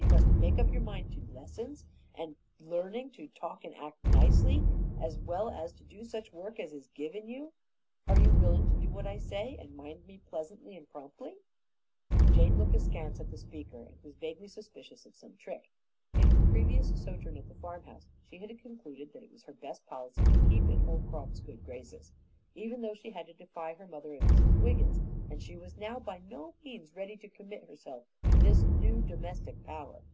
You must make up your mind to lessons, and learning to talk and act nicely, as well as to do such work as is given you. Are you willing to do what I say and mind me pleasantly and promptly?" Jane looked askance at the speaker and was vaguely suspicious of some trick. In her previous sojourn at the farmhouse she had concluded that it was her best policy to keep in Holcroft's good graces, even though she had to defy her mother and Mrs. Wiggins, and she was now by no means ready to commit herself to this new domestic power.